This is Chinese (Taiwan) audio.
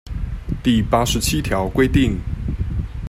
第八十七條規定